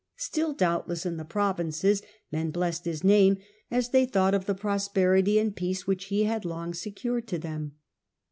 Still doubtless in the provinces men blessed his name, as they thought of the prosperity and peace which he had long last less secured to them.